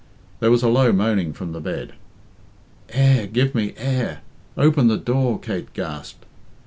There was a low moaning from the bed. "Air! Give me air! Open the door!" Kate gasped.